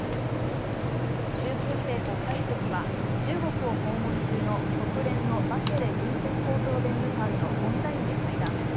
習近平国家主席は中国を訪問中の国連のバチェレ人権高等弁務官とオンラインで会談。